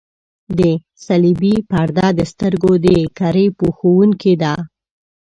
د صلبیې پرده د سترګو د کرې پوښوونکې ده.